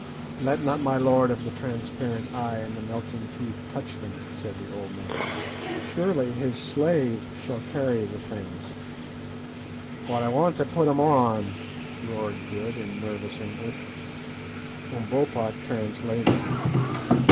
"Let not my lord of the transparent Eye and the melting Teeth touch them," said the old man. "Surely his slave shall carry the things." "But I want to put 'em on!" roared Good, in nervous English. Umbopa translated.